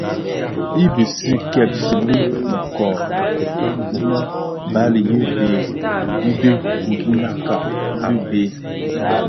I bisi kèbtè bi mëkoo më bali yi bheg yidhi guňakka di bë.